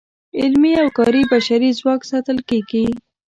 علمي او کاري بشري ځواک ساتل کیږي.